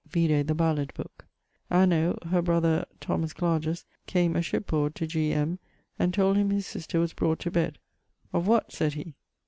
Vide the Ballad booke. Anno ... her brother, T Cl, came a ship board to G. M. and told him his sister was brought to bed. 'Of what?' sayd he.